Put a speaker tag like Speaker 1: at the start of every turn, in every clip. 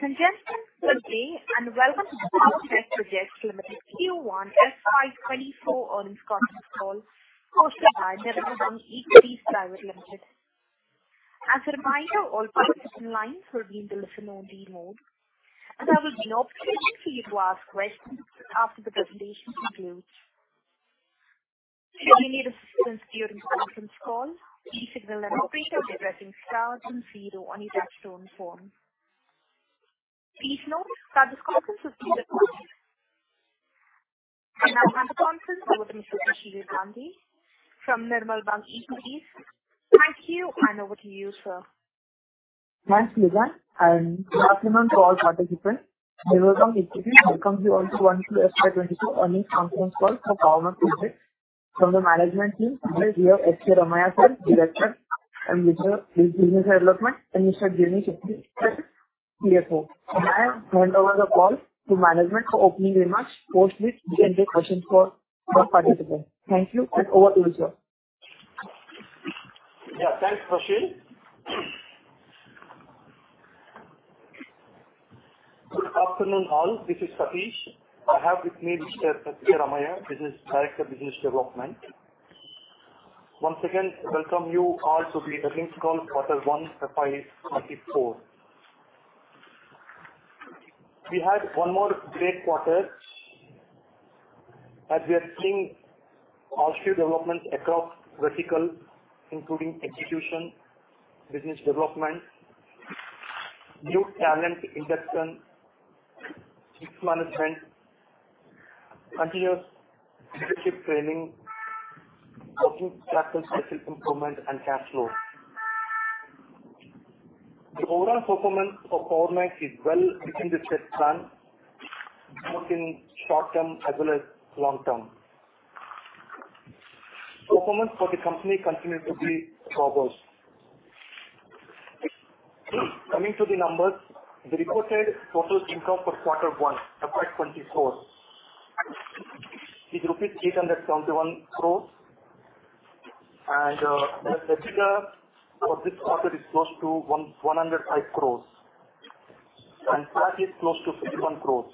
Speaker 1: Ladies and gentlemen, good day, and welcome to Power Mech Projects Limited Q1 FY 24 earnings conference call hosted by Nirmal Bang Equities Private Limited. As a reminder, all participants' lines will be in the listen-only mode, and there will be an opportunity for you to ask questions after the presentation concludes. Should you need assistance during the conference call, please signal an operator by pressing star then zero on your touch-tone phone. Please note that this conference is recorded. Now, I hand the conference over to Mr. Prasheel Gandhi from Nirmal Bang Equities. Thank you, and over to you, sir.
Speaker 2: Thanks, Lisa, and good afternoon, call participants. Nirmal Bang Equities welcomes you all to the Q1 FY 22 earnings conference call for Power Mech Projects. From the management team, we have S.K. Ramaiah, sir, director, and Mr. Business Development, and Mr. Girish, CFO. I'll hand over the call to management for opening remarks, post which you can take questions for all participants. Thank you, and over to you, sir.
Speaker 3: Yeah, thanks, Prasheel. Good afternoon, all. This is Satish. I have with me Mr. S.K. Ramaiah, who is director of business development. Once again, welcome you all to the earnings call, Q1, FY 24. We had one more great quarter, and we are seeing positive developments across vertical, including execution, business development, new talent induction, risk management, continuous leadership training, working capital, capital improvement, and cash flow. The overall performance of Power Mech is well within the set plan, both in short-term as well as long-term. Performance for the company continuously improves. Coming to the numbers, the reported total income for Q1, FY 24, is INR 371 crores, and the figure for this quarter is close to 105 crores, and PAT is close to 51 crores.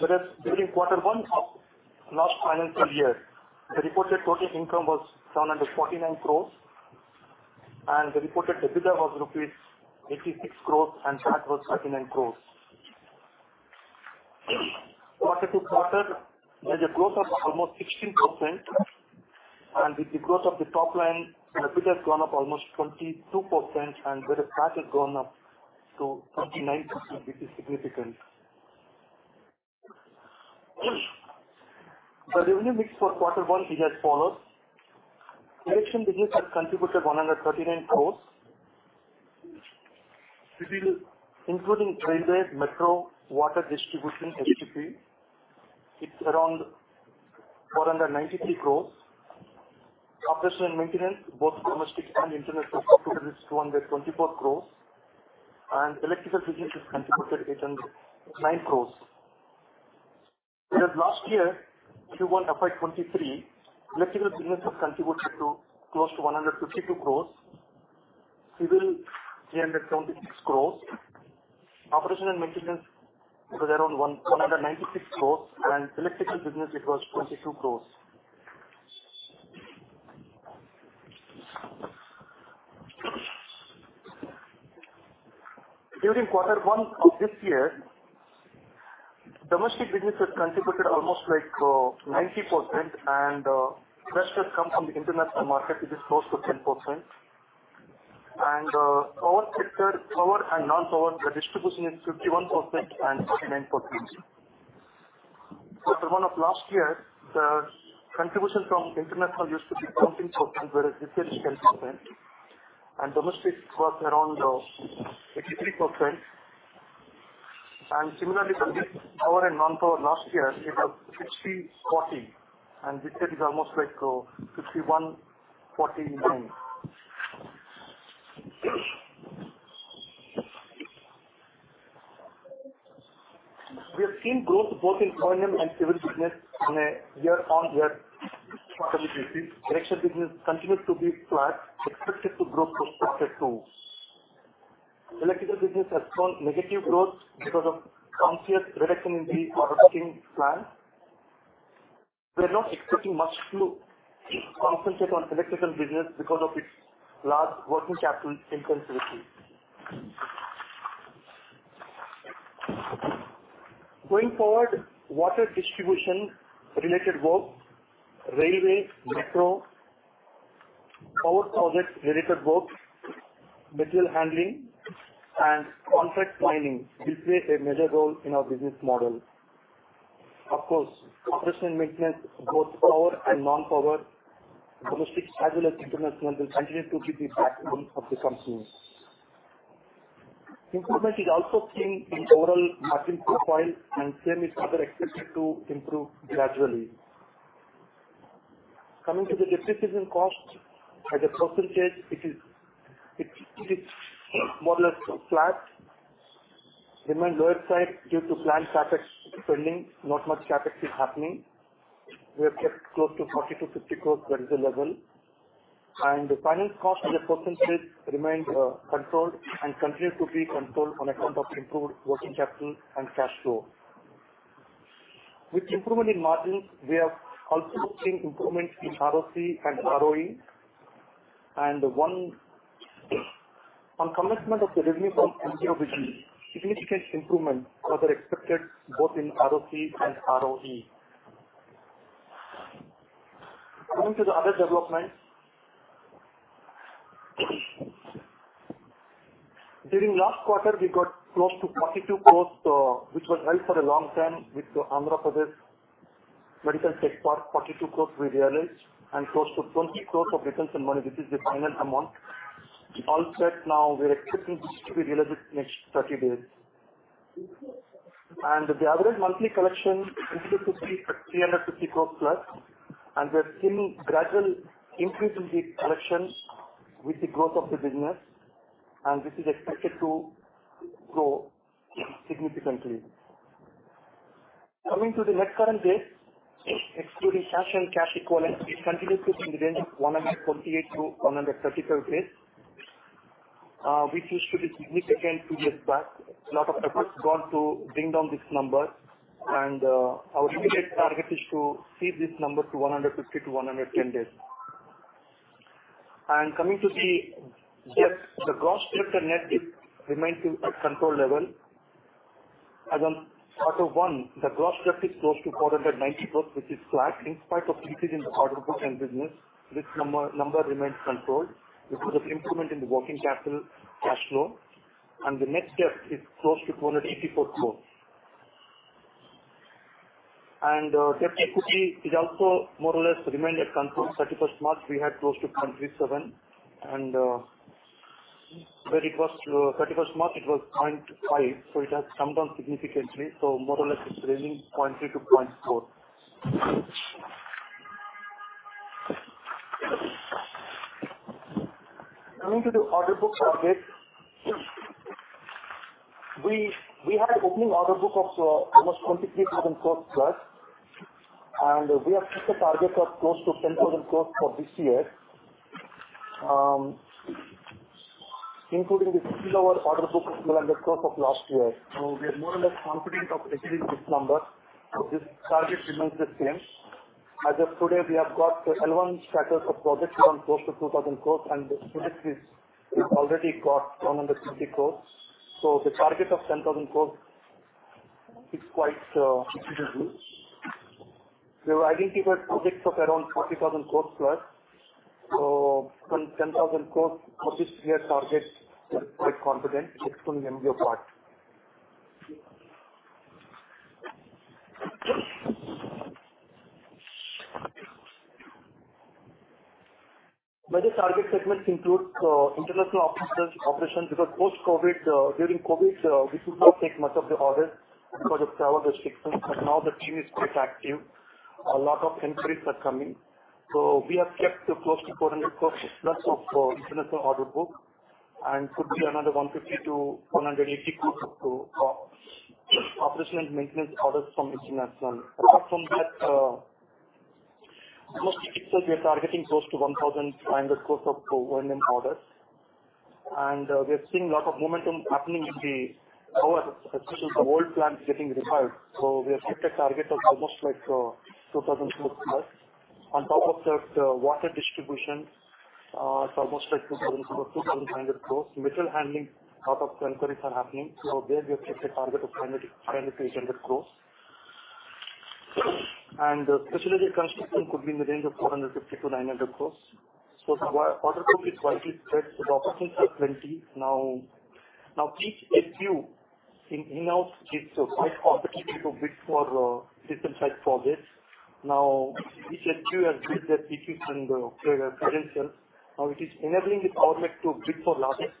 Speaker 3: Whereas during quarter one of last financial year, the reported total income was 749 crores, and the reported EBITDA was rupees 86 crores, and PAT was 39 crores. quarter-to-quarter, there's a growth of almost 16%, and with the growth of the top line, EBITDA has gone up almost 22%, and whereas PAT has gone up to 39%, which is significant. The revenue mix for quarter one is as follows: erection business has contributed 139 crores. Civil, including railway, metro, water distribution, STP, it's around 493 crores. Operation and maintenance, both domestic and international, is 224 crores, and electrical business has contributed 89 crores. Whereas last year, Q1 FY 23, electrical business has contributed to close to 152 crores, civil, 376 crores. Operation and maintenance, it was around 196 crore, and electrical business, it was 22 crore. During quarter one of this year, domestic business has contributed almost like 90%, and rest has come from the international market, which is close to 10%. Power sector, power and non-power, the distribution is 51% and 49%. Quarter one of last year, the contribution from international used to be 14%, whereas this year it's 10%, and domestic was around 83%. Similarly, for this power and non-power last year, it was 60/40, and this year it is almost like 51/49. We have seen growth both in premium and civil business on a year-on-year basis. Erection business continues to be flat, expected to grow Q2. Electrical business has shown negative growth because of constant reduction in the working plan. We are not expecting much to concentrate on electrical business because of its large working capital intensity. Going forward, water distribution related work, railway, metro, power project related work, material handling, and contract mining will play a major role in our business model. Of course, operation and maintenance, both power and non-power, domestic as well as international, will continue to be the backbone of the company. Improvement is also seen in overall margin profile, and same is further expected to improve gradually. Coming to the depreciation cost, as a percentage, it is more or less flat... remain lower side due to planned CapEx spending, not much CapEx is happening. We have kept close to 40-50 crores that is the level. The finance cost as a percentage remains controlled and continues to be controlled on account of improved working capital and cash flow. With improvement in margins, we have also seen improvements in ROC and ROE. And one, on commencement of the revenue from MDO, significant improvements are expected both in ROC and ROE. Coming to the other developments, during last quarter, we got close to 42 crores, which was held for a long time with the Andhra Pradesh Medical Tech Park. 42 crores we realized, and close to 20 crores of retention money, which is the final amount. All set now, we are expecting this to be realized in next 30 days. And the average monthly collection is between 350 crores plus, and we are seeing gradual increase in the collection with the growth of the business, and this is expected to grow significantly. Coming to the net current days, excluding cash and cash equivalents, it continues to be in the range of 148-135 days, which used to be significant two years back. A lot of efforts got to bring down this number, and, our immediate target is to see this number to 150-110 days. And coming to the debt, the gross debt and net debt remains in a controlled level. As on quarter one, the gross debt is close to 490 crores, which is flat in spite of increase in the order book and business. This number, number remains controlled because of improvement in the working capital cash flow, and the net debt is close to 284 crores. Debt equity is also more or less remained at control. 31 March, we had close to 0.37, and where it was, thirty-first March, it was 0.5, so it has come down significantly. More or less, it's ranging 0.3 to 0.4. Coming to the order book update. We had opening order book of almost 23,000 crore plus, and we have set a target of close to 10,000 crore for this year. Including this, our order book is 400 crore of last year. We are more or less confident of achieving this number. This target remains the same. As of today, we have got eleven shackles of projects close to 2,000 crore, and this is already got 150 crore. The target of 10,000 crore is quite reasonable. We have identified projects of around 40,000 crore+. So from 10,000 crore for this year, target is quite confident excluding MBO part. By the target segments includes, international options- operations, because post-COVID, during COVID, we should not take much of the orders because of travel restrictions, but now the team is quite active. A lot of inquiries are coming. So we have kept close to 400 crore+ of international order book, and could be another 150-180 crore of, operation and maintenance orders from international. Apart from that, we are targeting close to 1,500 crore of O&M orders, and, we are seeing a lot of momentum happening in the power, especially the old plants getting revived. We have kept a target of almost like 2,000 crore plus. On top of that, water distribution, it's almost like 2,000-2,500 crore. Material handling, a lot of inquiries are happening. There we have kept a target of 900-800 crore. And speciality construction could be in the range of 450-900 crore. The order book is widely spread, so the opportunities are plenty. Now each HU in-house gets a wide opportunity to bid for different type projects. Now, each HU has built their skills and credentials. Now it is enabling the Power Mech to bid for larger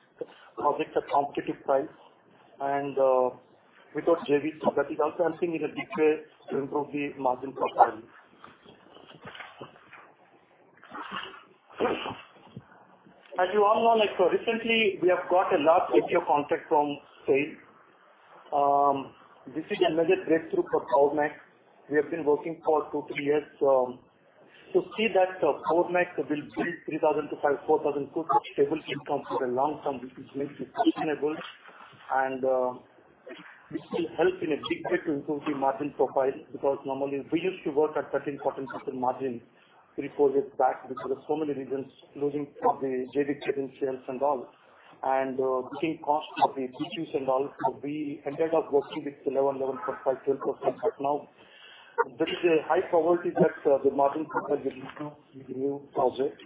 Speaker 3: projects at competitive price. Without JV, so that is also helping in a big way to improve the margin profile. As you all know, like, recently, we have got a large EPC contract from SAIL. This is a major breakthrough for Power Mech. We have been working for 2, 3 years, to see that Power Mech will build 3,000-4,000 crore of stable income for the long term, which makes it sustainable. And, this will help in a big way to improve the margin profile, because normally we used to work at 13 to 14% margin 3, 4 years back because of so many reasons, losing the JV credentials and all, and, looking cost of the purchase and all. So we ended up working with 11, 11+, +12%. But now there is a high probability that, the margin profile will improve project.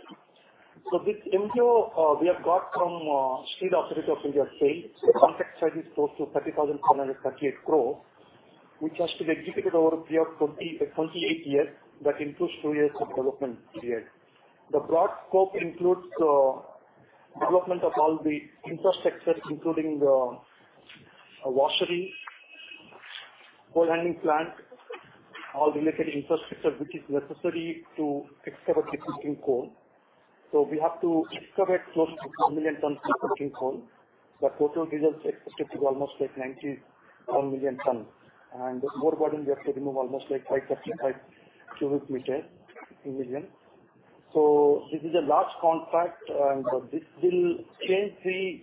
Speaker 3: So this MDO, we have got from, Steel Authority of India Limited. The contract size is close to 30,938 crore, which has to be executed over a period of 28 years. That includes 2 years of development period. The broad scope includes development of all the infrastructure, including a washery coal handling plant, all related infrastructure, which is necessary to excavate the coal. So we have to excavate close to 2 million tons of coal. The total results expected to be almost like 91 million tons. And overburden, we have to remove almost like 555 million cubic meters. So this is a large contract, and this will change the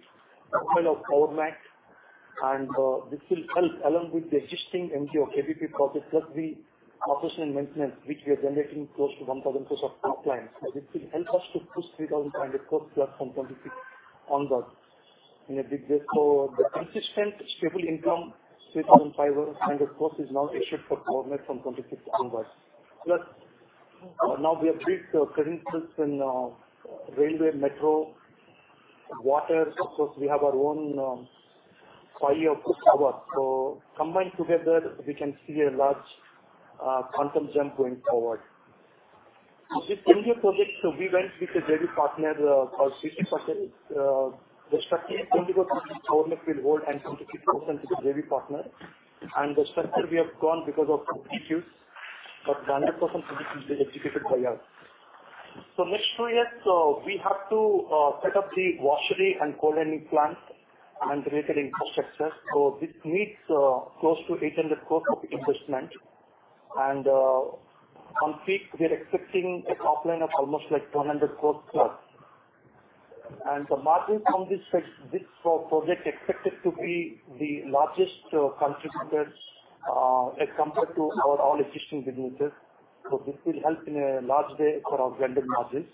Speaker 3: kind of Power Mech, and this will help along with the existing MDO KBP project, plus the operation and maintenance, which we are generating close to 1,000+ of our clients. This will help us to push 3,000 crore plus from 2026 onwards in a big way. The consistent stable income, 3,500 crore, is now a shift for government from 2026 onwards. Plus, now we have built current system, railway, metro, water. Of course, we have our own fire power. Combined together, we can see a large quantum jump going forward. This NGO project, we went with a JV partner called PC Patel. The structure, 20% government will hold and 20% is a JV partner, and the structure we have gone because of issues, but 100% is executed by us. Next two years, we have to set up the washery and coal mining plant and related infrastructure. This needs close to 800 crore of investment. On peak, we are expecting a top line of almost like 200 crore+. And the margin from this, this project expected to be the largest contributors, as compared to our all existing businesses. So this will help in a large way for our blended margins.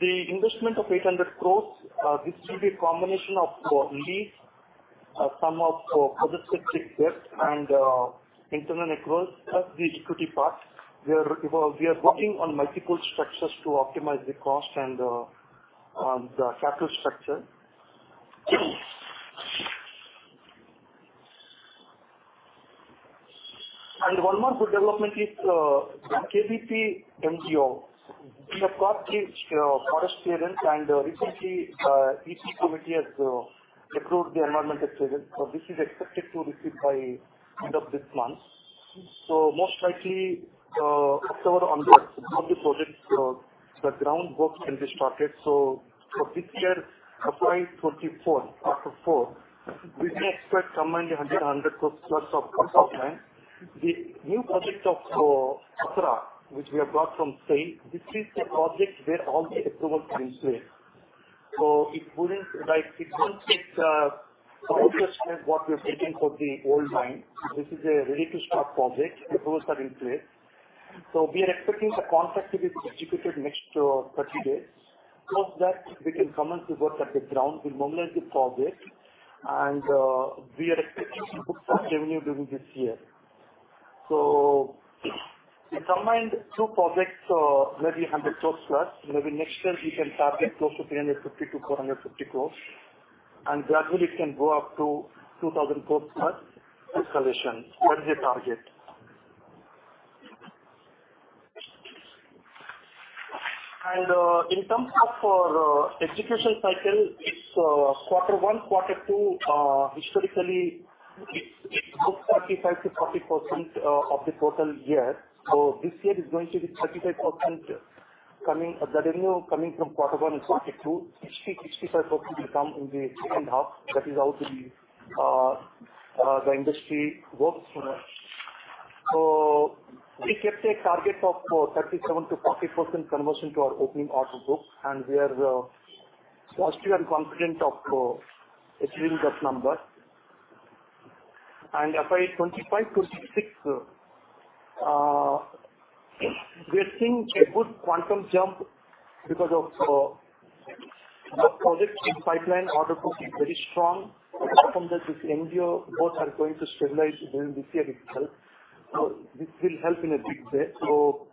Speaker 3: The investment of 800 crore, this will be a combination of lead, some of project specific debt and, internal accruals, plus the equity part. We are, we are working on multiple structures to optimize the cost and, on the capital structure. And one more good development is, KBP MDO. We have got the, forest clearance, and recently, EC committee has, approved the environmental clearance. So this is expected to receive by end of this month. So most likely, October on the project, the ground work can be started. For this year, FY 24, we may expect somewhere 100 crore, 100 crore+ of land. The new project of Tasra, which we have got from SAIL, this is the project where all the approvals are in place. It won't take what we're taking for the old mine. This is a ready to start project, approvals are in place. We are expecting the contract to be executed next 30 days. After that, we can commence the work at the ground, we mobilize the project, and we are expecting to put some revenue during this year. We combined two projects, maybe 100 crore+. Maybe next year, we can target close to 350 crore-450 crore, and gradually it can go up to 2,000 crore+ escalation. That is the target. In terms of execution cycle, it's Q1, Q2, historically, it's about 35 to 40% of the total year. So this year is going to be 35% coming, the revenue coming from Q1 and Q2. 65% will come in the second half. That is how the industry works today. So we kept a target of 37 to 40% conversion to our opening order book, and we are positive and confident of achieving that number. And FYI, 2025 to 2026, we are seeing a good quantum jump because of the project in pipeline order book is very strong. From that, this NGO both are going to stabilize during this year itself. So this will help in a big way. So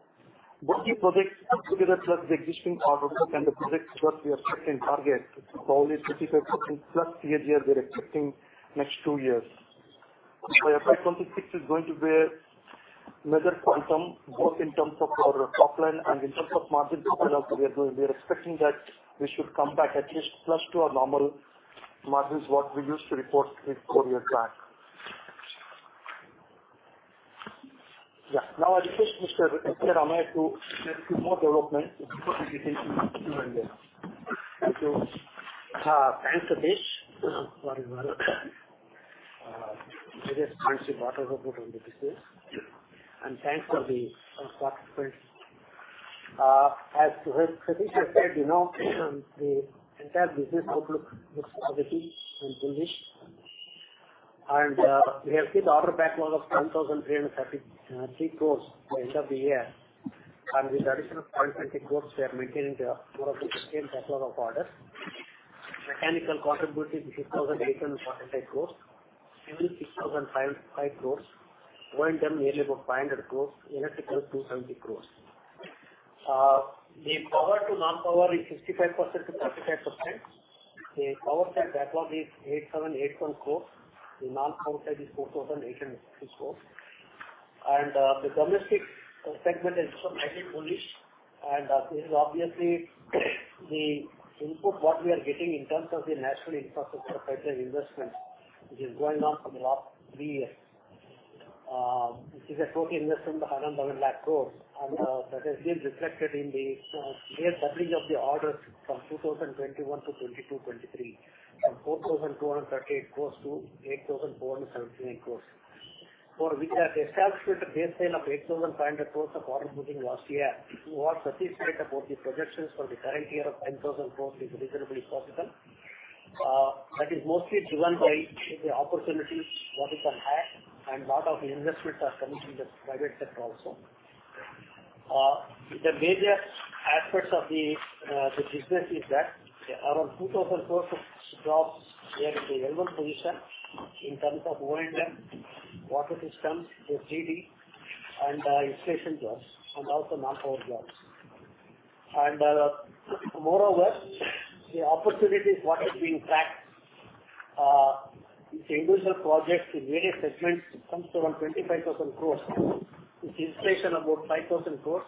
Speaker 3: both the projects together, plus the existing order book and the project plus we are expecting target, probably 55%+ year we're expecting next two years. By 2026 is going to be a major quantum, both in terms of our top line and in terms of margin development. We are, we are expecting that we should come back at least close to our normal margins, what we used to report in four years back. Yeah. Now I request Mr. Ramesh to more development.
Speaker 4: Thank you. Thanks, Satish. Sorry about that. Various points you brought on the business, and thanks for the participants. As Satish has said, you know, the entire business outlook looks positive and bullish, and we have seen the order backlog of 10,333 crores by end of the year. And with additional 30 crores, we are maintaining the more of the same backlog of orders. Mechanical contribution, 6,845 crores, civil, 6,555 crores, O&M, nearly about 500 crores, electrical, 200 crores. The power to non-power is 65 to 35%. The power side backlog is 8,781 crores. The non-power side is 4,860 crore. The domestic segment is also highly bullish, and this is obviously the input what we are getting in terms of the national infrastructure pipeline investment, which is going on for the last three years, which is a total investment of INR 100,000 crore, and that has been reflected in the clear doubling of the orders from 2021 to 2022-2023, from 4,238 crore to 8,478 crore. For which we have established a baseline of 8,500 crore of order booking last year. What satisfies about the projections for the current year of 10,000 crore is reasonably possible. That is mostly driven by the opportunities what we can have, and lot of the investments are coming from the private sector also. The major aspects of the, the business is that around INR 2,000 crore of jobs are in the relevant position in terms of wind and water systems, FGD, and, station jobs, and also non-core jobs. Moreover, the opportunities, what is being tracked, individual projects in various segments comes to around 25,000 crore. With installation about 5,000 crore,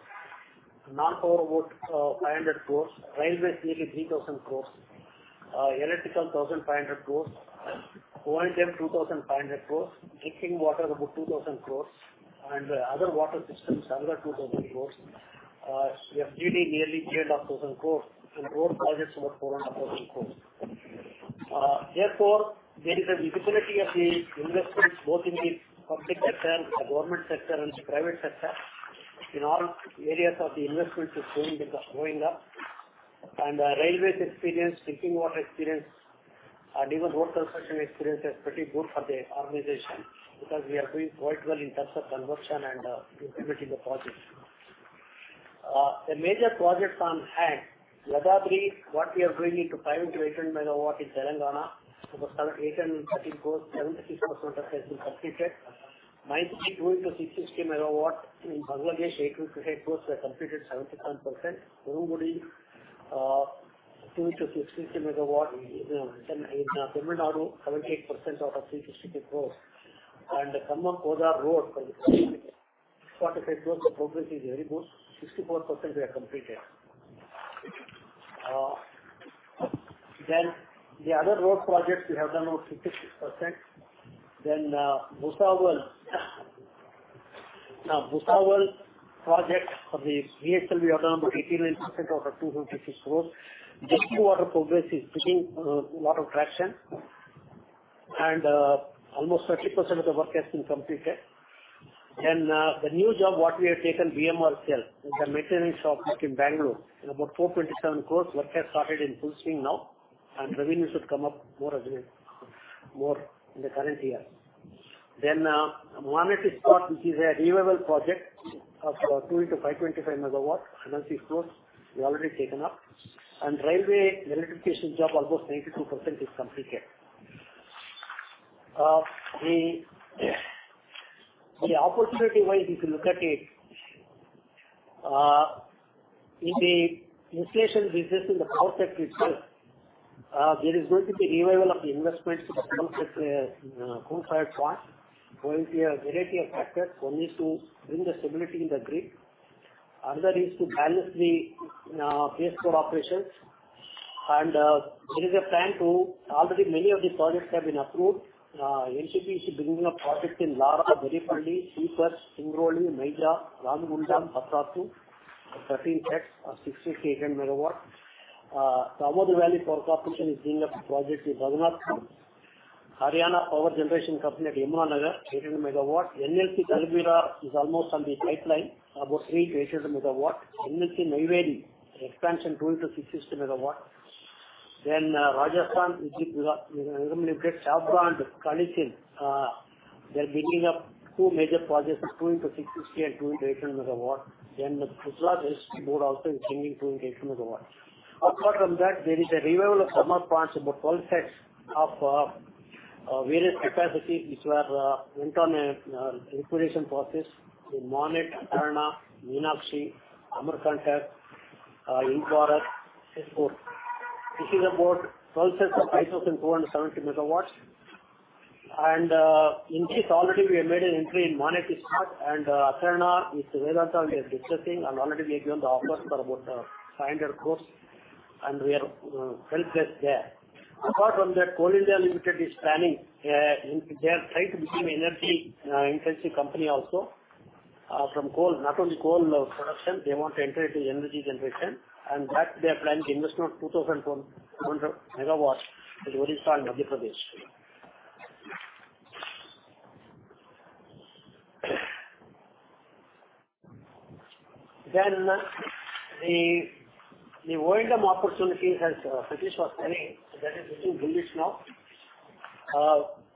Speaker 4: non-core about 500 crore, railway nearly 3,000 crore, electrical 1,500 crore, O&M 2,500 crore, drinking water about 2,000 crore, and other water systems another 2,000 crore. We have FGD nearly 3,500 crore, and road projects about INR 4,500 crore. Therefore, there is a visibility of the investments both in the public sector, the government sector, and the private sector, in all areas of the investment is going, going up. The railways experience, drinking water experience, and even road construction experience is pretty good for the organization, because we are doing quite well in terms of conversion and executing the projects. The major projects on hand, Yadadri, what we are doing into 5 into 800 megawatt in Telangana, about INR 830 crore, 76% has been completed. Maitree 2 into 660 megawatt in Bangladesh, INR 8 into 8 crore, we have completed 77%. Tirubudi, 2 into 660 megawatt in Tamil Nadu, 78% out of INR 362 crore. The Kanakapura Road, 45 crore, the progress is very good, 64% we have completed. Then the other road projects we have done about 60%. Then, Bhusawal, now, Bhusawal project for the BHEL, we have done about 89% out of 260 crore. Drinking water progress is picking, lot of traction, and, almost 30% of the work has been completed. Then, the new job, what we have taken, BMRCL, is the maintenance of work in Bangalore, in about 427 crore. Work has started in full swing now, and revenue should come up more again, more in the current year. Then, Monnet Ispat, which is a revival project of, two into 525 megawatts, INR 160 crore, we've already taken up. And railway electrification job, almost 92% is completed. The opportunity wise, if you look at it, in the installation business, in the power sector itself, there is going to be revival of the investments that comes with a coal-fired plant, going to be a variety of factors. One is to bring the stability in the grid. Another is to balance the base load operations. There is a plan to... Already many of these projects have been approved. NTPC is bringing up projects in Lara, very quickly, Sipat, Singrauli, Mauda, Ramagundam, Patratu, 13 sets of 660-800 MW. Damodar Valley Power Corporation is bringing up a project in Raghunathpur. Haryana Power Generation Company at Yamuna Nagar, 800 MW. NLC Talabira is almost on the pipeline, about 3x800 MW. NLC Neyveli, expansion 2x660 MW. Then Rajasthan, which is limited, Chhabra, Kalisindh, they are bringing up two major projects, 2x660 MW and 2x800 MW. Then the Pushpa District Board also is bringing 2x800 MW. Apart from that, there is a revival of summer plants, about 12 sets of various capacities which were went on a liquidation process in Monnet Ispat, Athena, Meenakshi, Amarkantak, Igwarash, and four. This is about 12 sets of 5,470 MW. And in this already we have made an entry in Monnet Ispat, and Athena with Vedanta, we are discussing and already we have given the offers for about 500 crore, and we are well placed there. Apart from that, Coal India Limited is planning, they are trying to become energy intensive company also. From coal, not only coal production, they want to enter into energy generation, and that they are planning to invest about 2,400 MW in Odisha and Madhya Pradesh. Then, the wind farm opportunities, as Satish was telling, that is looking bullish now.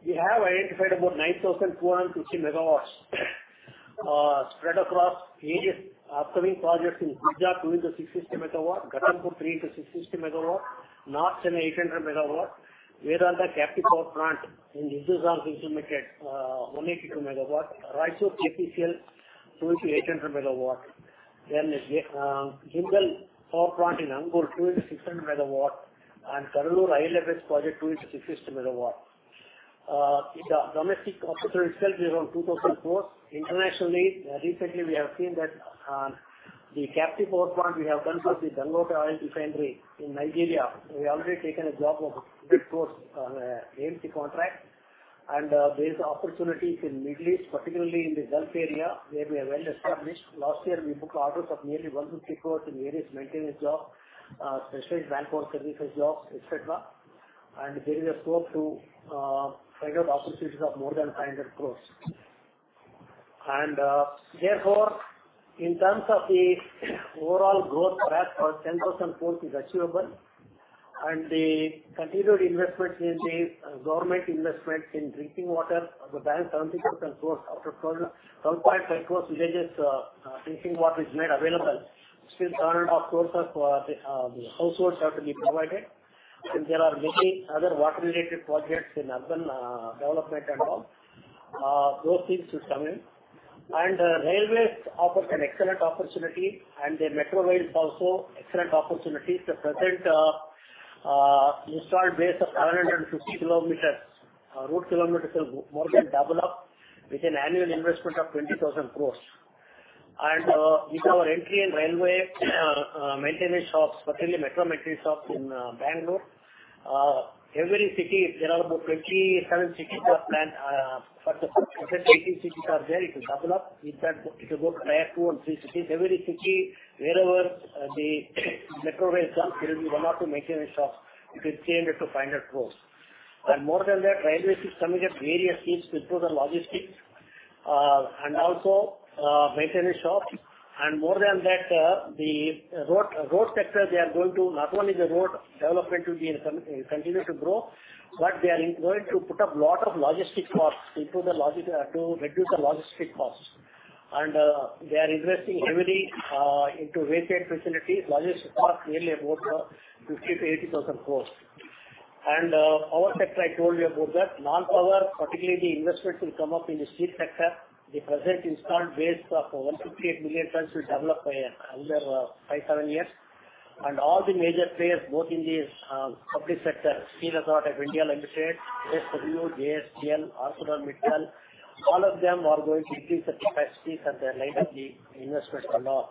Speaker 4: We have identified about 9,450 MW, spread across various upcoming projects in Gujarat, 2x660 MW, Chhattisgarh 3x660 MW, NLC, an 800 MW. Vedanta Captive Power Plant in Visakhapatnam Limited, 182 MW. Raichur KPCL two x 800 MW, then the, Jindal Power Plant in Angul, 2x600 MW, and Cuddalore IL&FS project, 2x600 MW. The domestic opportunity itself is around 2,000 crore. Internationally, recently we have seen that the captive power plant we have done for the Dangote Oil Refinery in Nigeria. We have already taken a job of bit close, AMC contract, and there is opportunities in Middle East, particularly in the Gulf area, where we are well established. Last year, we booked orders of nearly 100 crore in various maintenance job, specialized manpower services jobs, et cetera. There is a scope to figure out opportunities of more than 500 crore. Therefore, in terms of the overall growth, perhaps around 10,000 crore is achievable. The continued investments in the government investments in drinking water, the bank 70% source after 12.5 crore villages, drinking water is made available. Still INR 300 crore of the households have to be provided. There are many other water-related projects in urban development and all, those things will come in. Railways offers an excellent opportunity, and the metro rails also excellent opportunity. The present installed base of 750 kilometers route kilometers will more than double up with an annual investment of 20,000 crore. With our entry in railway maintenance shops, particularly metro maintenance shops in Bangalore, every city there are about 27 cities are planned. But the present 18 cities are there, it will double up. In fact, it will go higher, two and three cities. Every city, wherever the metro rail comes, there will be one or two maintenance shops with INR 300 crore-INR 500 crore. More than that, railways is coming at various things to improve the logistics, and also, maintenance shops. More than that, the road sector, they are going to not only the road development will be in continue to grow, but they are going to put up a lot of logistics costs into the logistics to reduce the logistics costs. They are investing heavily into freight facilities, logistics costs, nearly about 50,000-80,000 crore. Power sector, I told you about that. Non-power, particularly the investments will come up in the steel sector. The present installed base of 158 million tons will develop by another 5-7 years. All the major players, both in the public sector, Steel Authority of India Limited, JSW, JSPL, ArcelorMittal, all of them are going to increase their capacities and they line up the investments a lot.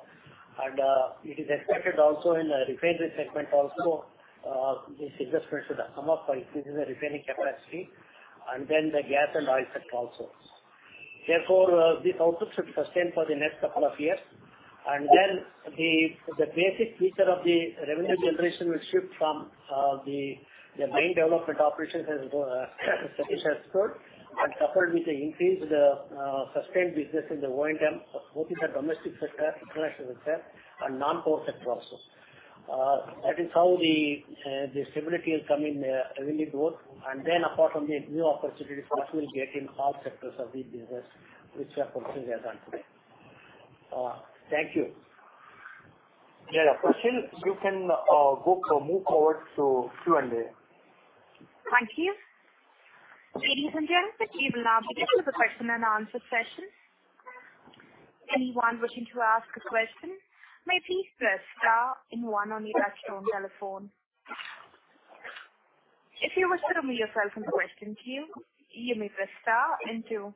Speaker 4: It is expected also in the refinery segment also, these investments should come up by increasing the refining capacity, and then the gas and oil sector also. Therefore, this output should sustain for the next couple of years. Then the basic feature of the revenue generation will shift from the mine development operations, as Satish has told, but coupled with the increased sustained business in the O&M, both in the domestic sector, international sector, and non-power sector also. That is how the stability will come in revenue growth. And then apart from the new opportunities which we'll get in all sectors of the business, which we have focused here done today. Thank you. Yeah, Prasheel, you can go move forward to Q&A.
Speaker 1: Thank you. Ladies and gentlemen, we will now begin with the question and answer session. Anyone wishing to ask a question, may please press star and one on your touchtone telephone. If you wish to remove yourself from the question queue, you may press star and two.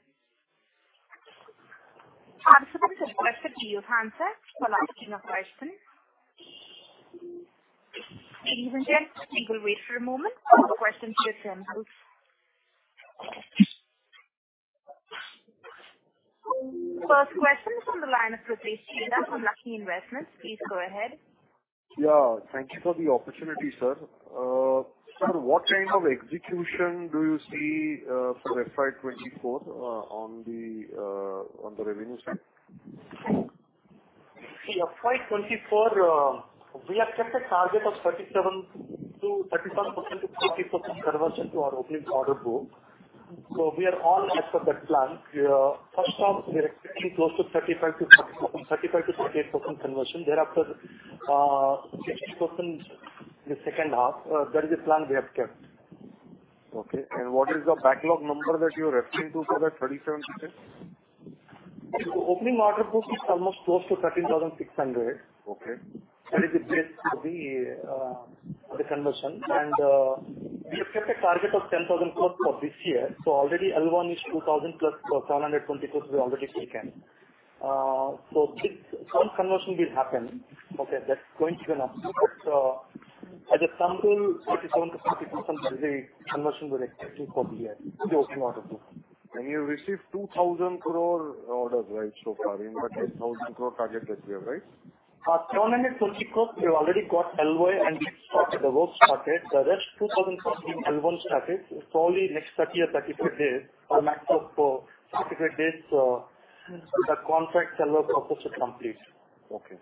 Speaker 1: Participants with questions, return to your handset for asking a question. Ladies and gents, we will wait for a moment for the questions to come in. First question from the line of Prateek Jain from Lucky Investments. Please go ahead.
Speaker 5: Yeah, thank you for the opportunity, sir. Sir, what kind of execution do you see for FY 24 on the revenue side?
Speaker 4: See, FY 24, we have kept a target of 37 to 40% conversion to our opening order book. We are on as per that plan. First off, we are expecting close to 35 to 38% conversion. Thereafter, 60% the second half, that is the plan we have kept.
Speaker 5: Okay. What is the backlog number that you are referring to for that 37%?
Speaker 4: Opening order book is almost close to 13,600.
Speaker 5: Okay.
Speaker 4: That is the base of the, the conversion. And, we have kept a target of 10,000 crore for this year. So already L1 is 2,000 plus 720 crore we already taken. So some conversion will happen. Okay, that's going to be enough. But, as a sample, 37 to 40% is a conversion we're expecting for the year to the opening order book.
Speaker 5: And you received 2,000 crore orders, right, so far in that 10,000 crore target that you have, right?
Speaker 4: 720 crore, we already got LOI, and the work started. The rest 2,000 crore, L1 started. Probably next 30 or 35 days or max of 60 days, the contract SAIL process will complete.
Speaker 5: Okay.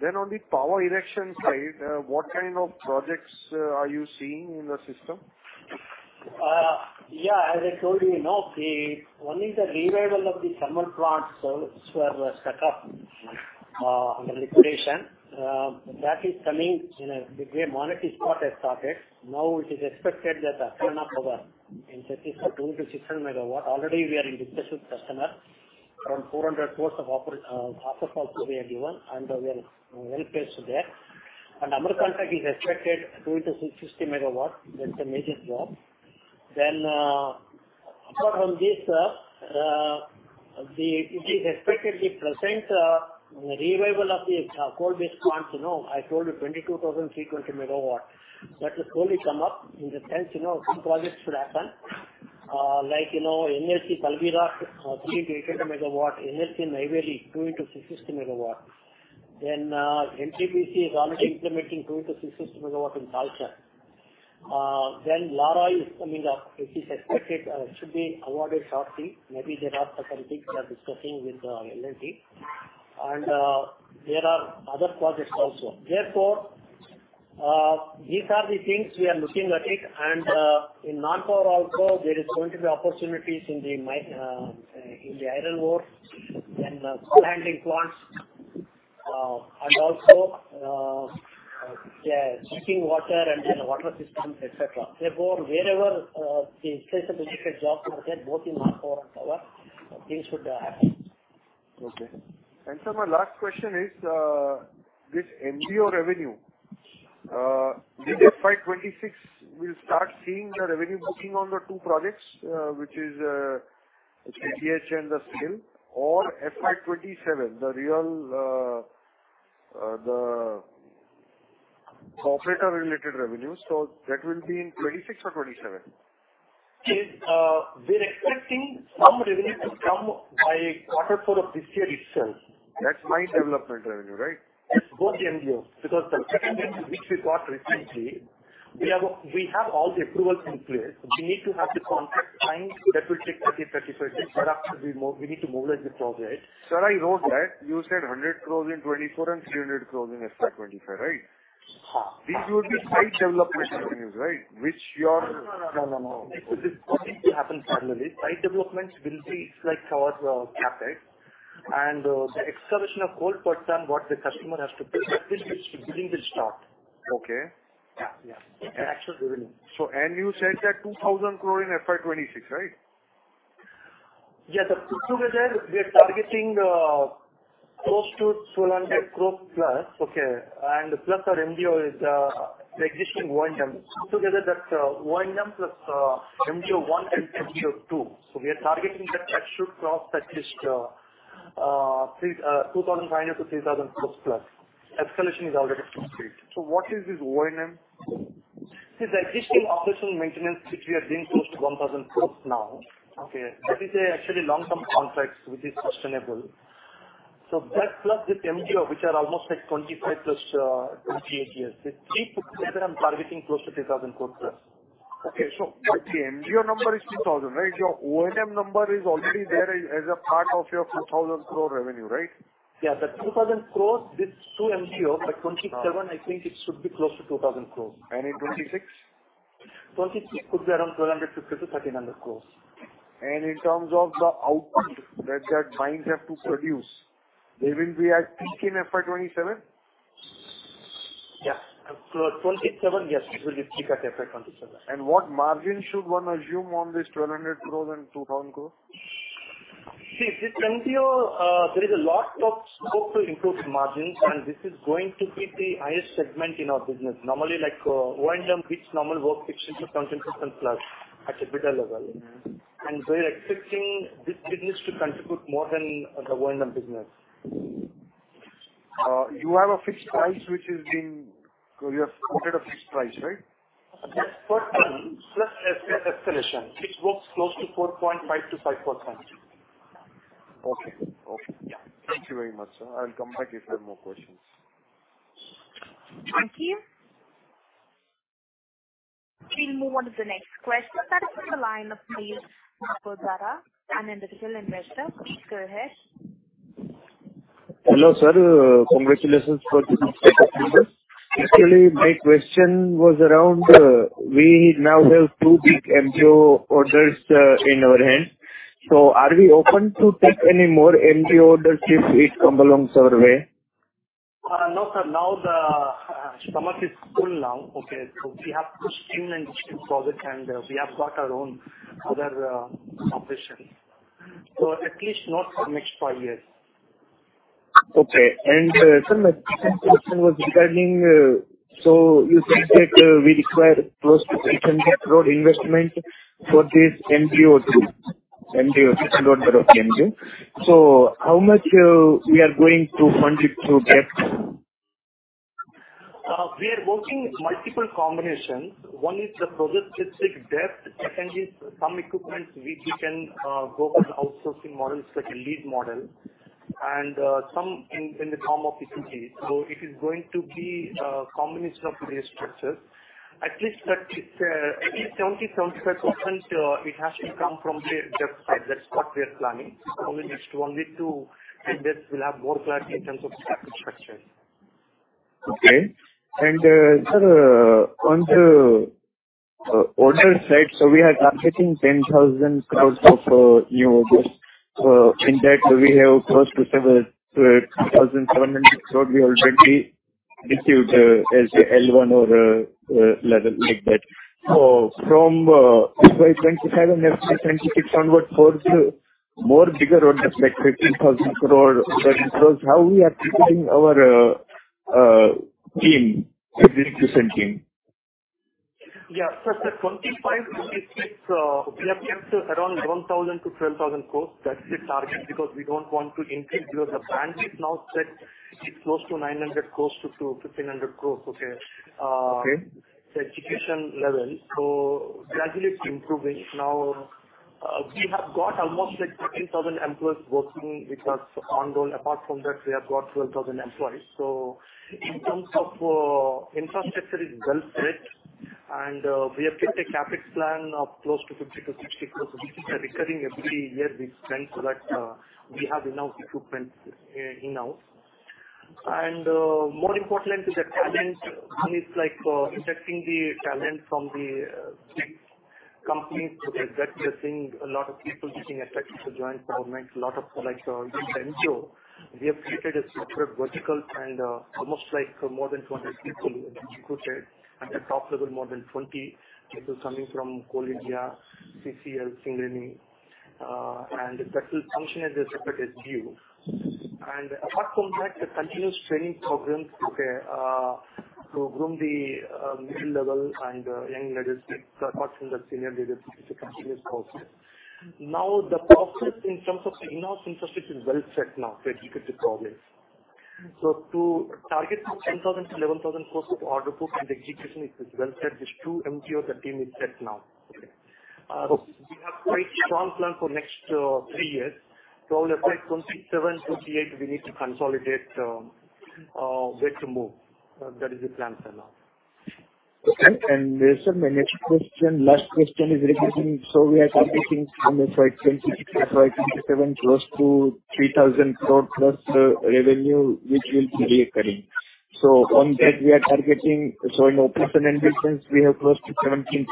Speaker 5: Then on the power erection side, what kind of projects are you seeing in the system?
Speaker 4: Yeah, as I told you now, the only revival of the thermal plants which were stuck up....
Speaker 3: and the liquidation that is coming in Adani, Monnet Ispat has started. Now it is expected that the power in 340-660 MW. Already we are in discussion with customer around INR 400 crore of order flows we have given, and we are well placed there. And Amarkantak is expected 2x660 MW. That's a major job. Then, apart from this, it is expected the present revival of the coal-based plants, you know, I told you 22,300 MW. That will slowly come up in the sense, you know, some projects should happen. Like, you know, NLC Talabira, 3x800 MW, NLC Neyveli, 2x660 MW. Then, NTPC is already implementing 2x660 MW in Lara. Then Lara is coming up, which is expected, should be awarded shortly. Maybe there are some things we are discussing with LNT, and there are other projects also. Therefore, these are the things we are looking at it, and in non-power also, there is going to be opportunities in the iron ore, then planting plants, and also yeah, treating water and then water systems, et cetera. Therefore, wherever the place of the project job market, both in non-power and power, things should happen.
Speaker 5: Okay. And sir, my last question is, this MDO revenue, did the FY 26 will start seeing the revenue booking on the two projects, which is, KDH and the Steel, or FY 27, the real, the operator-related revenue, so that will be in 2026 or 2027?
Speaker 3: We're expecting some revenue to come by Q4 of this year itself.
Speaker 5: That's mine development revenue, right?
Speaker 3: Yes, both MDOs, because the second which we got recently, we have, we have all the approvals in place. We need to have the contract signed. That will take 30-35 days, but after we need to mobilize the project.
Speaker 5: Sir, I know that. You said 100 crore in 2024 and 300 crore in FY 25, right?
Speaker 3: Uh.
Speaker 5: These will be site development revenues, right? Which your-
Speaker 3: No, no, no, no. It will happen similarly. Site developments will be like our CapEx, and the escalation of coal per ton, what the customer has to pay, that is which billing will start.
Speaker 5: Okay.
Speaker 3: Yeah, yeah. The actual revenue.
Speaker 5: You said that 2,000 crore in FY 26, right?
Speaker 3: Yes, the two together, we are targeting, close to 1,200 crore plus, okay? Plus our MGO is, the existing O&M. Together, that's O&M plus MGO one and MGO two. We are targeting that that should cross at least 2,500-3,000 crore plus. Escalation is already complete.
Speaker 5: What is this O&M?
Speaker 3: It's the existing operational maintenance, which we are doing close to 1,000 crore now.
Speaker 5: Okay.
Speaker 3: That is actually long-term contracts, which is sustainable. So that plus this MDO, which are almost like 25+, 28 years. The three put together, I'm targeting close to 3,000 crore+.
Speaker 5: Okay. So the MGO number is 3,000, right? Your O&M number is already there as a part of your 2,000 crore revenue, right?
Speaker 3: Yeah. The 2,000 crore, this 2 MGO, but 27, I think it should be close to 2,000 crore.
Speaker 5: In 2026?
Speaker 3: 26 could be around 1,250 crore-1,300 crore.
Speaker 5: In terms of the output that the mines have to produce, they will be at peak in FY 27?
Speaker 3: Yeah. So 27, yes, it will be peak at FY 27.
Speaker 5: What margin should one assume on this 1,200 crore and 2,000 crore?
Speaker 3: See, this MDO, there is a lot of scope to improve the margins, and this is going to be the highest segment in our business. Normally, like, O&M, which normally work 6 to 10% plus at a better level.
Speaker 5: Mm-hmm.
Speaker 3: We're expecting this business to contribute more than the O&M business.
Speaker 5: You have a fixed price, which is being... You have quoted a fixed price, right?
Speaker 3: Yes, per ton, plus escalation, which works close to 4.5 to 5%.
Speaker 5: Okay. Okay.
Speaker 3: Yeah.
Speaker 5: Thank you very much, sir. I'll come back if I have more questions.
Speaker 1: Thank you. We'll move on to the next question. That is from the line of Neil Mazara, an individual investor. Please go ahead.
Speaker 6: Hello, sir. Congratulations for the good quarter. Actually, my question was around we now have two big MDO orders in our hand. So are we open to take any more MDO orders if it come along our way?
Speaker 3: No, sir. Now the stomach is full now. Okay, we have to stream and stream projects, and we have got our own other operations. At least not for next five years.
Speaker 6: Okay. And, sir, my second question was regarding, so you think that, we require close to 800 crore investment for this MDO two, MDO, second order of MDO. So how much, we are going to fund it through debt?
Speaker 3: We are working multiple combinations. One is the project-specific debt. Second is some equipment which we can go for the outsourcing models, like a lead model, and some in the form of equity. So it is going to be a combination of various structures. At least that, at least 70 to 75%, it has to come from the debt side. That's what we are planning. Only just wanted to invest, we'll have more clarity in terms of structure.
Speaker 6: Okay, and, sir, on the order side, so we are targeting 10,000 crore of new orders. In that we have close to 7,700 crore. We already received as a L1 order level like that. So from FY 27, FY 26 onward, for the more bigger orders, like 15,000 crore, how we are treating our team, execution team?
Speaker 3: Yeah, so the 25, we have kept around 1,000-12,000 crore. That's the target, because we don't want to increase because the bandwidth now set is close to 900 crore-1,500 crore, okay.
Speaker 6: Okay.
Speaker 3: The execution level, so gradually improving. Now, we have got almost like 10,000 employees working with us on role. Apart from that, we have got 12,000 employees. So in terms of, infrastructure is well set, and, we have kept a CapEx plan of close to 50-60 crores recurring every year we spend, so that, we have enough equipment, in-house. And, more important is the talent. It's like, attracting the talent from the, big companies, so that we are seeing a lot of people getting attracted to join government. A lot of like, NGO, we have created a separate vertical and, almost like more than 200 people we have recruited, and at top level, more than 20 people coming from Coal India, CCL Singareni, and that will function as a separate SBU. Apart from that, the continuous training programs to groom the middle level and young leaders, apart from the senior leaders, it's a continuous process. Now, the process in terms of in-house infrastructure is well set now to execute the projects. So to target from 10,000 crores to 11,000 crores of order book and execution, it is well set. There's two MDO, the team is set now. We have quite strong plan for next three years. So we applied from 2027 to 2028. We need to consolidate where to move. That is the plan for now.
Speaker 6: Okay, and sir, my next question, last question is regarding... So we are targeting from FY 26 to FY 27, close to 3,000 crore plus, revenue, which will be recurring. So on that, we are targeting, so in operational sense, we have close to 17%,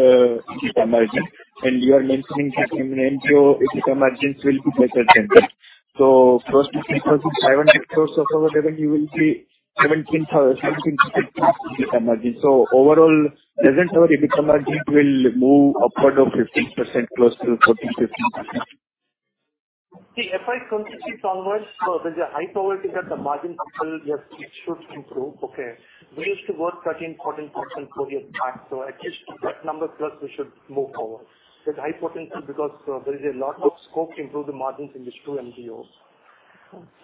Speaker 6: EBIT margin, and you are mentioning that in O&M, EBIT margins will be better than that. So close to INR 3,500 crore of our revenue will be 17% EBIT margin. So overall, doesn't our EBIT margin will move upward of 15%, close to 14 to 15%?
Speaker 3: The FY 26 onwards, so there's a high probability that the margin will, yes, it should improve. Okay. We used to work 13 to 14% for years back, so at least that number plus we should move forward. There's a high potential because there is a lot of scope to improve the margins in these two SBUs.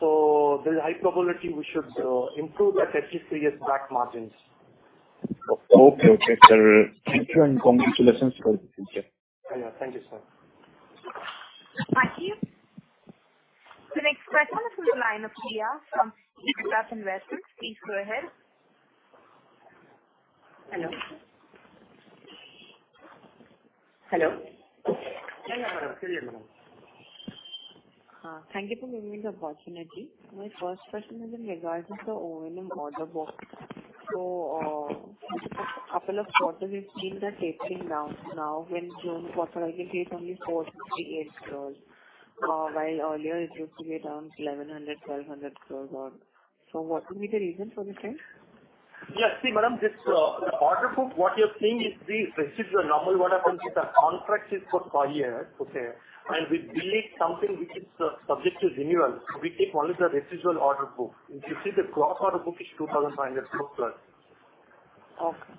Speaker 3: So there's a high probability we should improve that FY previous back margins.
Speaker 6: Okay. Okay, sir. Thank you, and congratulations for the future.
Speaker 3: I know. Thank you, sir.
Speaker 1: Thank you. The next question is from the line of Tia from investments. Please go ahead.
Speaker 7: Hello? Hello.
Speaker 3: Yeah, madam. Carry on, madam.
Speaker 7: Thank you for giving me the opportunity. My first question is in regards to the O&M order book. A couple of quarters, we've seen that it's been down. Now, in June quarter, I can see it's only 458 crore, while earlier it used to be around 1,100 crore, 1,200 crore. So what would be the reason for the same?
Speaker 3: Yeah. See, madam, this, the order book, what you're seeing is the residual. Normal what happens is the contract is for per year, okay? And we build something which is, subject to renewal. We take only the residual order book. If you see the gross order book is 2,500 crores plus.
Speaker 7: Okay.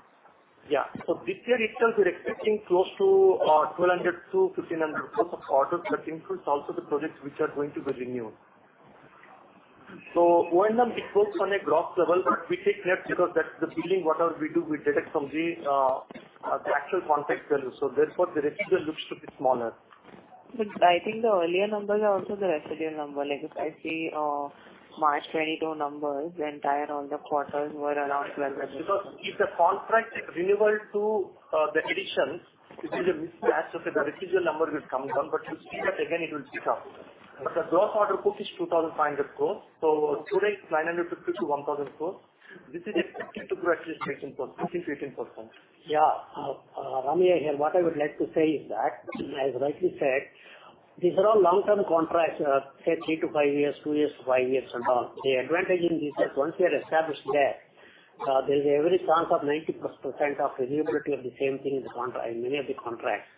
Speaker 3: Yeah. So this year itself, we're expecting close to 1,200 crore-1,500 crore of orders. That includes also the projects which are going to be renewed. So O&M, it works on a gross level, but we take net because that's the billing. Whatever we do, we deduct from the actual contract value. So therefore, the residual looks to be smaller.
Speaker 7: But I think the earlier numbers are also the residual number. Like, if I see, March 2022 numbers, the entire all the quarters were around 11-
Speaker 3: Because if the contract is renewable to the additions, it is a mismatch, so the residual number will come down, but you see that again, it will pick up. But the gross order book is 2,500 crores, so today, 950-1,000 crores. This is expected to grow at least 15%, 15, 15%.
Speaker 4: Yeah. Rami here. What I would like to say is that, as rightly said, these are all long-term contracts, say 3-5 years, 2 years, 5 years, and all. The advantage in this is once we are established there, there's every chance of 90% of reusability of the same thing in the contract, in many of the contracts.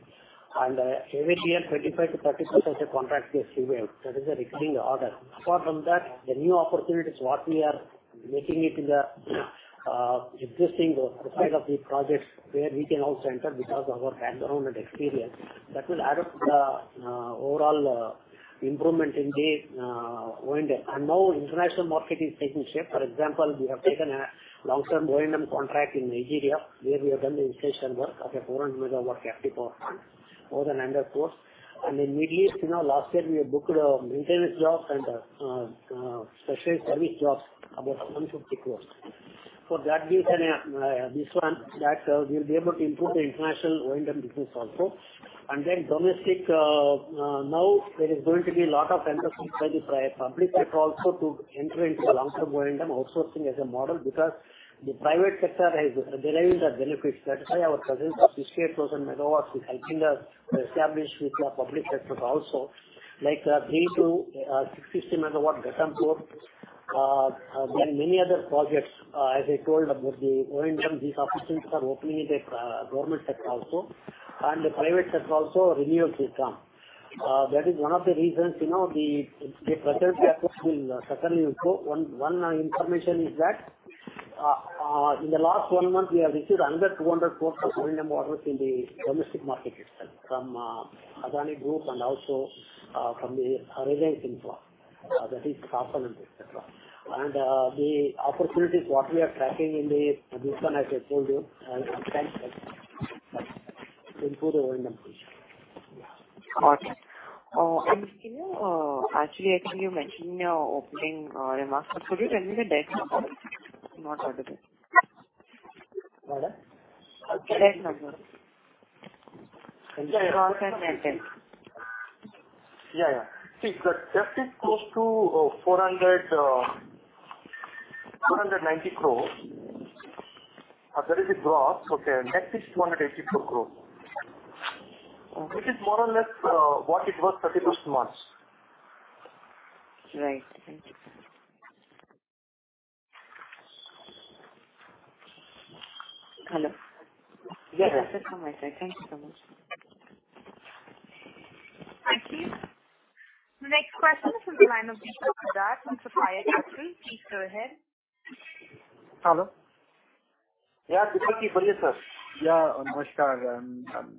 Speaker 4: And, every year, 25 to 30% of contract is renewed. That is a recurring order. Apart from that, the new opportunities, what we are making it in the, existing side of the projects, where we can also enter because of our background and experience, that will add up the, overall, improvement in the, O&M. And now international market is taking shape. For example, we have taken a long-term O&M contract in Nigeria, where we have done the installation work of a 400-megawatt-capacity power plant, more than INR 900 crore. In Middle East, you know, last year we booked a maintenance job and a specialized service jobs, about 150 crore. For that reason, we'll be able to improve the international O&M business also.
Speaker 3: Domestic, now there is going to be a lot of emphasis by the public sector also to enter into the long-term O&M outsourcing as a model, because the private sector has derived the benefits. That is why our presence of 68,000 megawatts is helping us establish with the public sector also. Like, three to 60 megawatts, Ghatampur, there are many other projects, as I told about the O&M, these opportunities are opening in the government sector also, and the private sector also, renewals will come. That is one of the reasons, you know, the presence will certainly go. One information is that in the last one month, we have received under 200 crore of O&M orders in the domestic market itself, from Adani Group and also from Reliance Industries. That is, Tottenham, et cetera. And, the opportunities what we are tracking in the business, as I told you, improve the O&M.
Speaker 7: Got it. And can you... Actually, I think you mentioned you're opening a master. Could you tell me the debt number? I'm not audible.
Speaker 3: Madam?
Speaker 7: Debt number.
Speaker 3: Yeah, yeah. See, the debt is close to 490 crores. After the drop, okay, net is 284 crores, which is more or less what it was 31st March.
Speaker 7: Right. Thank you. Hello?
Speaker 3: Yeah.
Speaker 7: That's it from my side. Thank you so much.
Speaker 1: Thank you. The next question is from the line of Deepak Kumar from Sapphire Capital. Please go ahead.
Speaker 8: Hello.
Speaker 3: Yeah, Deepakji, tell me, sir.
Speaker 8: Yeah. Namaskar,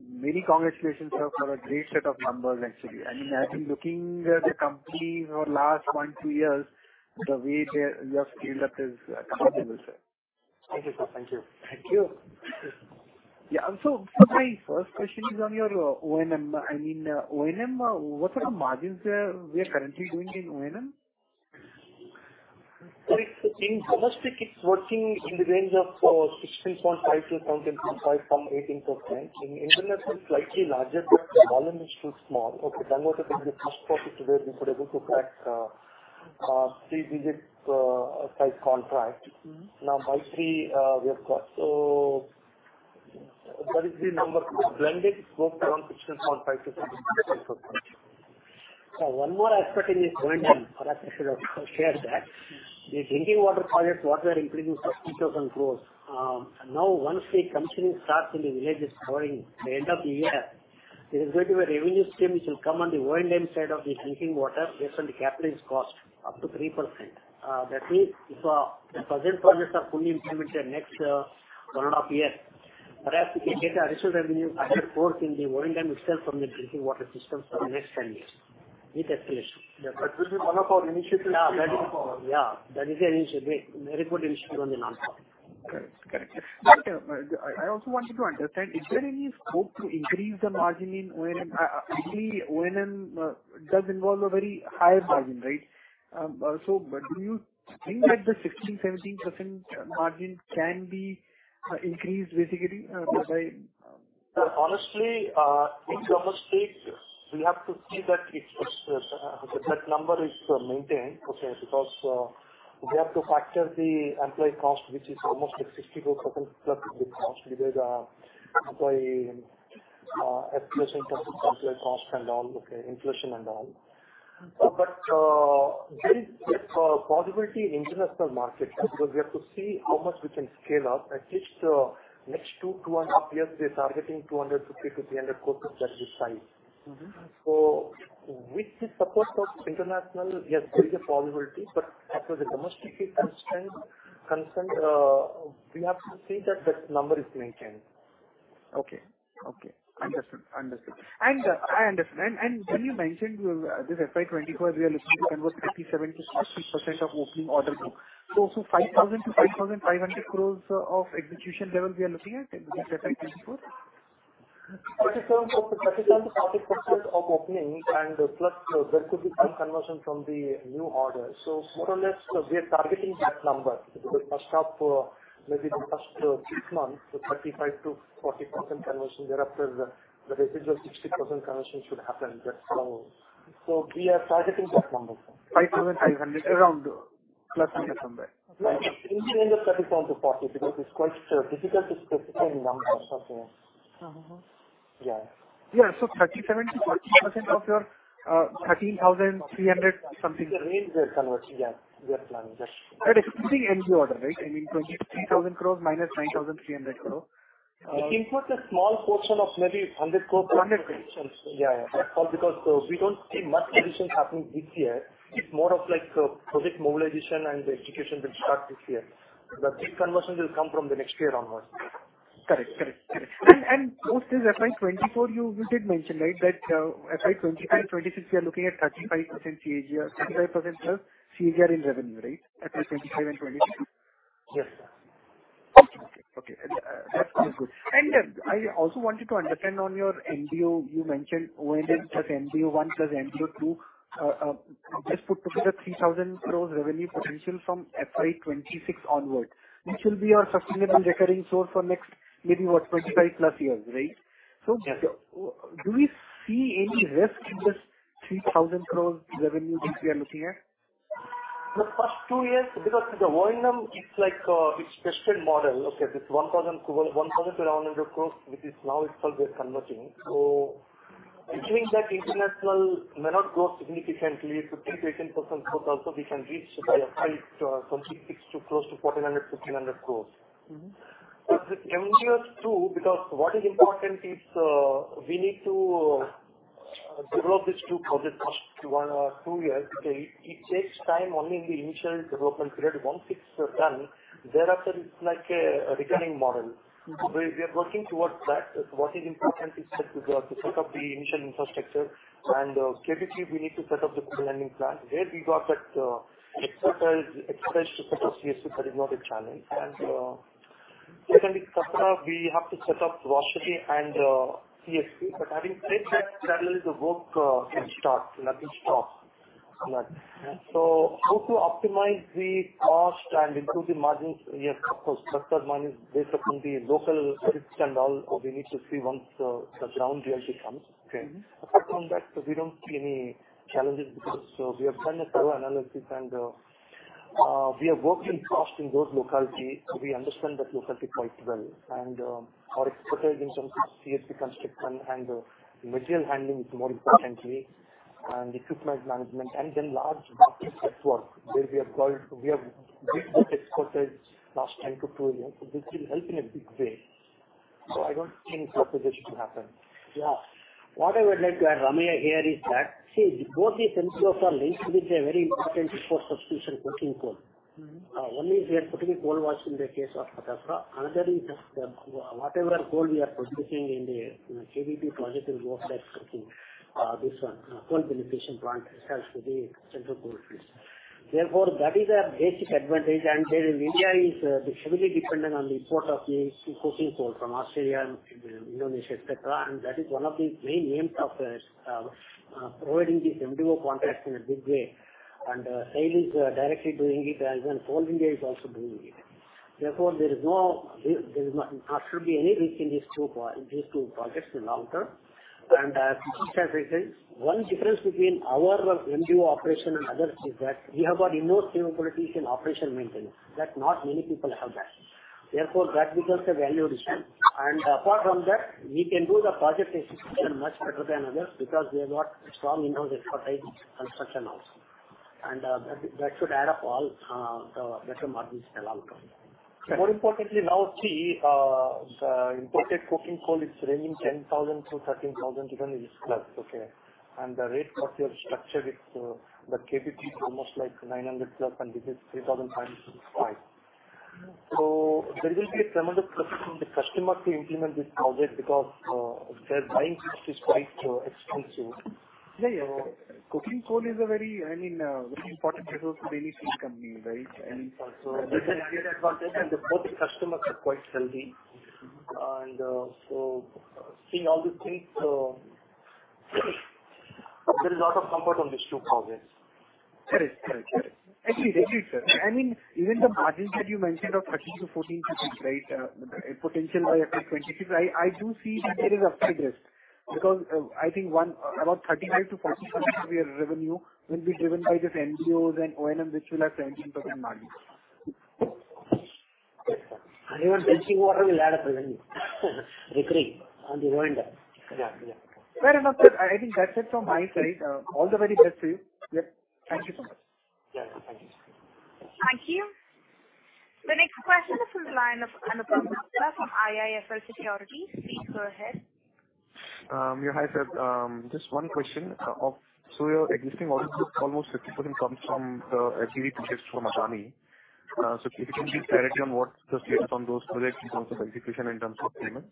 Speaker 8: many congratulations, sir, for a great set of numbers, actually. I mean, I've been looking at the company for last 1, 2 years. The way they, you have scaled up is commendable, sir.
Speaker 3: Thank you, sir. Thank you.
Speaker 8: Thank you. Yeah, so, so my first question is on your O&M. I mean O&M, what are the margins we are currently doing in O&M?
Speaker 3: So in domestic, it's working in the range of 16.5 to 17.5%, some 18%. In international, it's slightly larger, but the volume is too small. Okay, Bangladesh is the first project where we could able to crack three-digit type contract.
Speaker 8: Mm-hmm.
Speaker 3: Now, by three, we have got so... What is the number? Blended scope, around 16.5 to 17.5%. One more aspect in this O&M, perhaps I should have shared that. The drinking water projects, what we are increasing 14,000 crore. Now, once the commissioning starts in the villages, covering the end of the year, there is going to be a revenue stream which will come on the O&M side of the drinking water based on the capital cost, up to 3%. That means if the present projects are fully implemented next one and a half years, perhaps we can get an additional revenue under four in the O&M itself from the drinking water systems for the next 10 years with escalation.
Speaker 8: That will be one of our initiatives.
Speaker 3: Yeah, that is a very good initiative on the non-farm.
Speaker 8: Correct. Correct. I also wanted to understand, is there any scope to increase the margin in O&M? Actually, O&M does involve a very higher margin, right? So but do you think that the 16 to 17% margin can be increased basically, by-
Speaker 3: Honestly, in domestic, we have to see that it's that number is maintained, okay, because we have to factor the employee cost, which is almost like 64%+ the cost, because employee escalation terms of employee cost and all, okay, inflation and all. But there is a possibility in international market, because we have to see how much we can scale up. At least, next 2, 2.5 years, we are targeting 250 crores-300 crores of that size.
Speaker 8: Mm-hmm.
Speaker 3: With the support of international, yes, there is a possibility, but as per the domestic is concerned, we have to see that that number is maintained.
Speaker 8: Okay. Okay, understood. Understood. And I understand, and when you mentioned we will... This FY 24, we are looking to convert 57 to 60% of opening order book. So, 5,000-5,500 crores of execution level we are looking at in this FY 24?
Speaker 3: 37 to 40% of opening, and plus there could be some conversion from the new order. So more or less, we are targeting that number, because first half, maybe the first, six months, the 35 to 40% conversion, thereafter, the residual 60% conversion should happen that follow. So we are targeting that number.
Speaker 8: 5,500, around, plus or minus from there.
Speaker 3: Between 37-40, because it's quite difficult to specify the numbers. Okay.
Speaker 8: Mm-hmm.
Speaker 3: Yeah.
Speaker 8: Yeah. So 37 to 40% of your 13,300-something.
Speaker 3: Range we are converting, yeah, we are planning this.
Speaker 8: That is including NBO order, right? I mean, 23,000 crore minus 9,300 crore,
Speaker 3: It includes a small portion of maybe 100 crore-
Speaker 8: Hundred crore.
Speaker 3: Yeah, yeah. That's all because, we don't see much addition happening this year. It's more of like a project mobilization and the execution will start this year. The big conversion will come from the next year onwards.
Speaker 8: Correct, correct, correct. And also this FY 24, you did mention, right, that FY 25 and 26, we are looking at 35% CAGR, 35% CAGR in revenue, right? FY 25 and 26.
Speaker 3: Yes, sir.
Speaker 8: Okay, okay. That's, that's good. And I also wanted to understand on your NBO, you mentioned O&M plus NBO one plus NBO two, just put together 3,000 crore revenue potential from FY 26 onwards, which will be our sustainable recurring source for next, maybe, what, 25+ years, right?
Speaker 3: Yes.
Speaker 8: Do we see any risk in this 3,000 crore revenue which we are looking at? ...
Speaker 3: The first two years, because the O&M, it's like, it's special model. Okay, this 1,000 crore to 1,000 crore to around 100 crore, which is now is called we're converting. So between that international may not grow significantly to 10 to 18%, but also we can reach by a high, from INR 600 crore to close to 1,400 crore, INR 1,500 crore.
Speaker 4: Mm-hmm.
Speaker 3: But the MDOs too, because what is important is, we need to develop these 2 projects first, 1 or 2 years. Because it takes time only in the initial development period. Once it's done, thereafter, it's like a recurring model.
Speaker 4: Mm-hmm.
Speaker 3: We are working towards that. What is important is that we got to set up the initial infrastructure, and critically we need to set up the material handling plant. There we got that expertise to set up CSP, that is not a challenge. And secondly, Katra, we have to set up Rahati and CSP. But having said that, parallel the work can start, nothing stops. So how to optimize the cost and improve the margins? Yes, of course, better money is based upon the local risks and all, we need to see once the ground reality comes.
Speaker 4: Okay.
Speaker 3: Apart from that, we don't see any challenges, because we have done a thorough analysis and we have worked in cost in those localities, so we understand that locality quite well. Our expertise in terms of CSP construction and material handling is more importantly, and equipment management, and then large network work where we have built that expertise last 10 to two years. So this will help in a big way. So I don't think such a position will happen.
Speaker 4: Yeah. What I would like to add, Ramya, here is that, see, both these MDOs are linked with a very important for substitution coking coal.
Speaker 3: Mm-hmm.
Speaker 4: One is we are putting a coal mine in the case of Katra. Another is that, whatever coal we are producing in the KPP project will go off like coking, this one, coal beneficiation plant has to be Central Coalfields. Therefore, that is our basic advantage, and here in India is heavily dependent on the import of the coking coal from Australia and Indonesia, et cetera. That is one of the main aims of providing this MDO contract in a big way. SAIL is directly doing it, as well Coal India is also doing it. Therefore, there is not, not should be any risk in these two projects in the long term. As Krish has said, one difference between our MDO operation and others is that we have got in more capabilities in operation maintenance, that not many people have that. Therefore, that becomes a value addition. Apart from that, we can do the project execution much better than others, because we have got strong in-house expertise, construction also. That should add up all, the better margins can all come.
Speaker 3: More importantly, now see, the imported coking coal is ranging 10,000-13,000, even is plus, okay? And the rate of your structure with, the KBP is almost like 900+, and this is 3,000 times 5. So there will be a tremendous pressure on the customer to implement this project because, their buying cost is quite, expensive.
Speaker 4: Yeah, yeah. Coking coal is a very, I mean, very important resource to any steel company, right? And so-
Speaker 3: This is a great advantage, and both the customers are quite healthy. So seeing all these things, there is a lot of comfort on these two projects.
Speaker 4: There is. Actually, I agree, sir. I mean, even the margins that you mentioned of 13 to 14%, right? Potential by up to 20%. I do see there is upside risk, because I think one, about 35 to 40% of your revenue will be driven by just MDOs and O&M, which will have 20% margins.
Speaker 3: Yes, sir.
Speaker 4: Even drinking water will add a revenue, recurring on the O&M.
Speaker 3: Yeah. Yeah.
Speaker 4: Well, enough, I think that's it from my side. All the very best to you.
Speaker 3: Yep.
Speaker 4: Thank you so much.
Speaker 3: Yeah. Thank you.
Speaker 1: Thank you. The next question is from the line of Anupam Gupta from IIFL Securities. Please go ahead.
Speaker 9: Yeah. Hi, sir. Just one question. Your existing order book, almost 50% comes from PVP projects from Adani. If you can provide clarity on what the status on those projects in terms of execution, in terms of payments?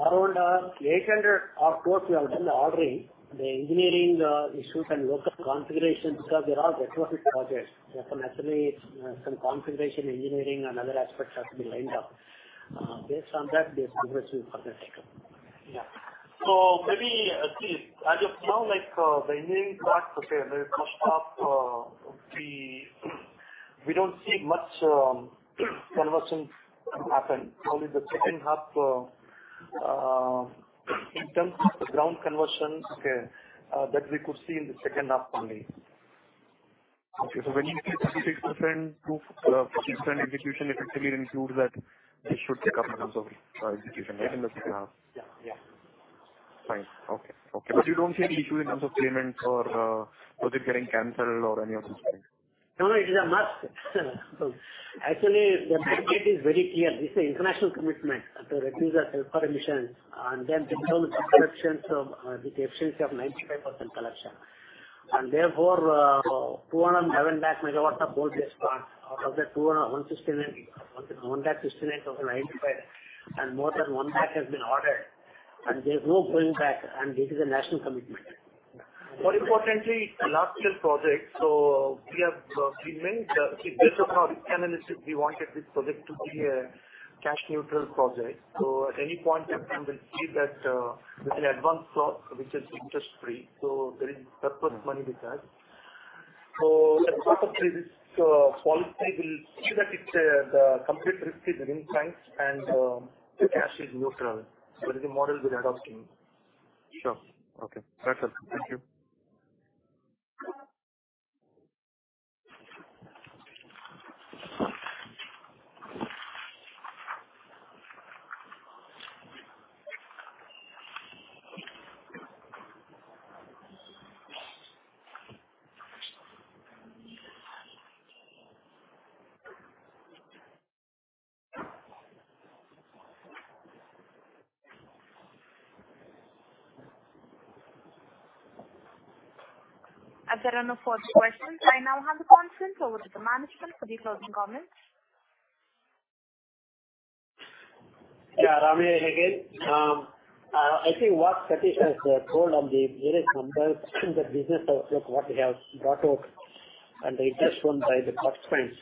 Speaker 4: Around 800, of course, we have done the ordering, the engineering issues and local configurations, because they're all retrofit projects. Therefore, naturally, some configuration, engineering, and other aspects have to be lined up. Based on that, this progress will further take up.
Speaker 3: Yeah. So maybe, see, as of now, like, the engineering part, okay, very first half, we, we don't see much, conversions happen. Only the second half, in terms of the ground conversions, okay, that we could see in the second half only.
Speaker 9: Okay. When you say 36 to 50% execution effectively includes that this should pick up in terms of execution, right, in the second half?
Speaker 3: Yeah. Yeah.
Speaker 9: Fine. Okay. Okay. But you don't see any issues in terms of payments or, project getting canceled or any of these things?
Speaker 4: No, no, it is a must. Actually, the mandate is very clear. This is an international commitment to reduce the sulfur emissions and then improve the collection, so with the efficiency of 95% collection. And therefore, 211 megawatts of coal-based plant, out of that 200... 169, 169,095, and more than 1 megawatt has been ordered, and there's no going back, and this is a national commitment.
Speaker 3: More importantly, last year's project, we went, see, based on our analysis, we wanted this project to be a cash neutral project. At any point of time, we'll see that with an advance plot, which is interest-free, there is purpose money with that. This policy will see that the complete risky within banks and the cash is neutral, whether the model will adopting.
Speaker 9: Sure. Okay. Right, sir. Thank you.
Speaker 1: As there are no further questions, I now hand the conference over to the management for the closing comments.
Speaker 4: Yeah, Ramya again. I think what Satish has told on the various numbers, the business outlook, what we have brought out and the interest shown by the participants.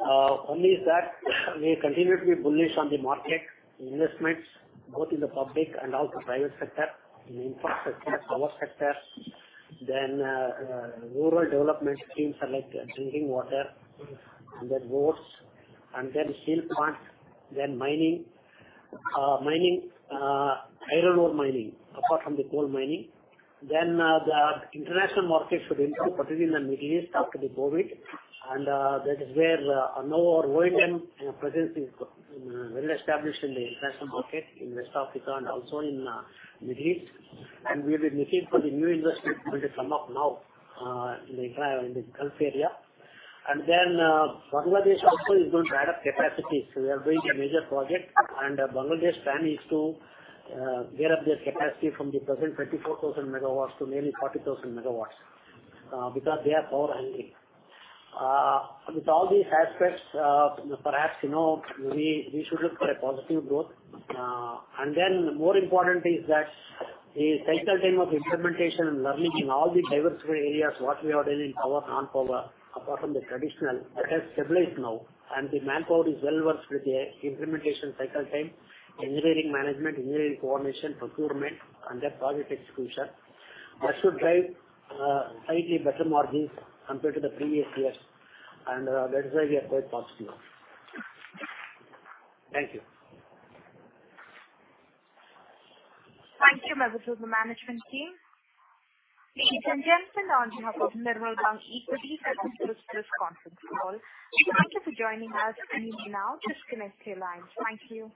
Speaker 4: Only is that we continue to be bullish on the market, investments, both in the public and also private sector, in infrastructure, power sector, then rural development schemes are like drinking water and then roads, and then steel plants, then mining. Mining, iron ore mining, apart from the coal mining. Then the international markets should improve, particularly in the Middle East after COVID, and that is where now our O&M presence is well established in the international market, in West Africa and also in Middle East. And we've been looking for the new investments which come up now in the entire, in the Gulf area. And then, Bangladesh also is going to add up capacities. We are doing a major project, and Bangladesh plan is to gear up their capacity from the present 34,000 megawatts to nearly 40,000 megawatts, because they are power hungry. With all these aspects, perhaps, you know, we should look for a positive growth. And then more important is that the cycle time of implementation and learning in all the diversified areas, what we have done in power, non-power, apart from the traditional, that has stabilized now, and the manpower is well versed with the implementation cycle time, engineering management, engineering coordination, procurement, and then project execution. That should drive slightly better margins compared to the previous years, and that is why we are quite positive. Thank you.
Speaker 1: Thank you, members of the management team. Ladies and gentlemen, on behalf of Nirmal Bang Equities, thank you for this conference call. Thank you for joining us, and you may now disconnect your lines. Thank you.